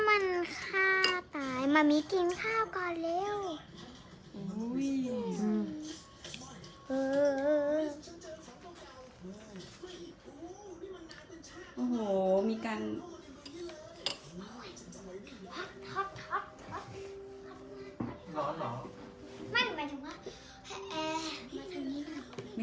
ไม่ใช่มัมมี่ก็หนาวไงลูกก็ร้อนตอนนี้ทำงาน